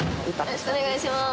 よろしくお願いします。